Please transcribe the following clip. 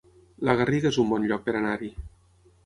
La Garriga es un bon lloc per anar-hi